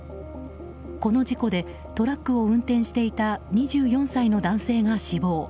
この事故でトラックを運転していた２４歳の男性が死亡。